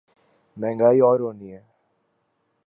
مہنگائی اور ہونی ہے۔